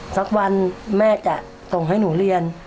สักวันแม่จะส่งให้หนูเรียน